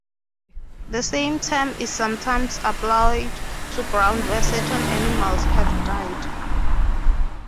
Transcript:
The same term is sometimes applied to ground where certain animals have died.